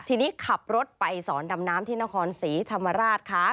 ทีนี้ขับรถไปสอนดำน้ำที่นครศรีธรรมราชค่ะ